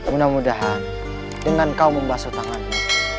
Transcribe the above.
mudah mudahan dengan kau membasuh tangannya